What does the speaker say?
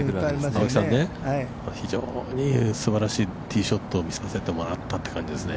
◆青木さんね、非常にすばらしいティーショットを見させてもらったという感じですね。